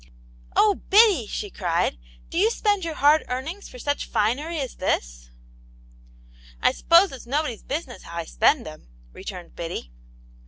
"Oh, Biddy!" she cried, "do you spend your hard earnings for such finery as this ?" "I suppose it*s nobody's business how I spend 'em," returned Biddy.